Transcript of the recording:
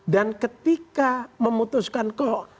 dan ketika memutuskan kok